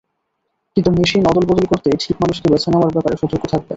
কিন্তু মেশিন অদলবদল করতে ঠিক মানুষকে বেছে নেওয়ার ব্যাপারে সতর্ক থাকবেন।